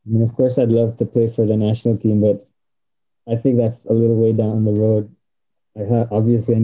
maksud gua gue suka main untuk national team tapi itu sedikit jauh dari jalan